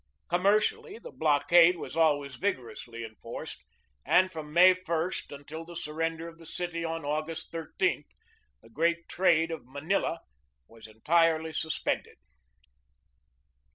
Commercially, the block ade was always vigorously enforced, and from May I until the surrender of the city on August 13 the great trade of Manila was entirely suspended.